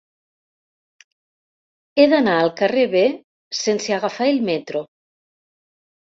He d'anar al carrer B sense agafar el metro.